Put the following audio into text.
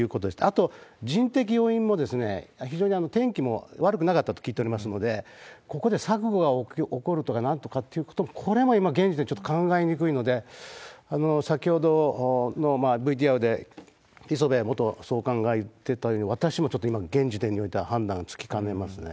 あと、人的要因も、非常に天気も悪くなかったと聞いておりますので、ここで錯誤が起こるとかなんとかっていうことは、これは現時点でちょっと考えにくいので、先ほどのＶＴＲで磯部元総監が言ってたように、私もちょっと今、現時点においては判断つきかねますね。